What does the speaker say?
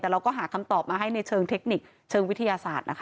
แต่เราก็หาคำตอบมาให้ในเชิงเทคนิคเชิงวิทยาศาสตร์นะคะ